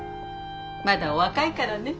まだお若いからね。